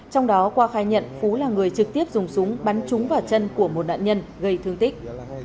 trong đó qua khai nhận phú là người trực tiếp dùng súng bắn trúng vào chân của một nạn nhân gây thương tích